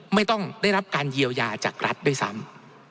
ไม่ต้องได้รับการเยียวยาจากรัฐด้วยซ้ำ